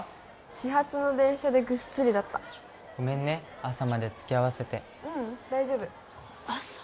始発の電車でぐっすりだったごめんね朝まで付き合わせてううん大丈夫朝？